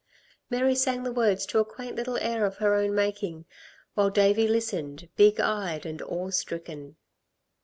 Mary sang the words to a quaint little air of her own making, while Davey listened, big eyed and awe stricken.